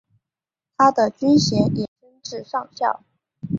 他的军衔也升至上校。